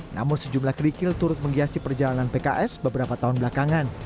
namun sejumlah kerikil turut menghiasi perjalanan pks beberapa tahun belakangan